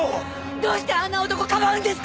どうしてあんな男かばうんですか！？